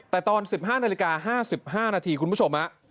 แต่ตอน๑๕นาฬิกา๕๕นาทีคุณผู้ชม